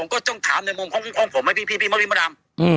ก็ต้องถามในมุมของผมไว้พี่มริมดำ